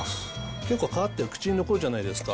結構皮って口に残るじゃないですか。